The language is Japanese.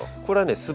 これはね